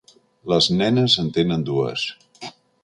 Les nenes en tenen dues.